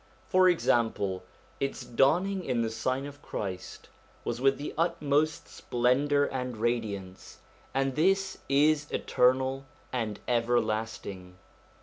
For example, its dawning in the sign of Christ was with the utmost splendour and radiance, and this is eternal and ever lasting.